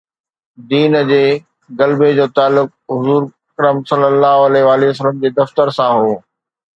دين جي غلبي جو تعلق حضور ﷺ جي دفتر سان هو.